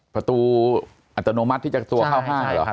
ประตูอัตโนมัติที่จะตัวเข้าห้างเหรอ